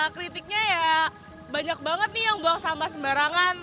kritiknya ya banyak banget nih yang buang sampah sembarangan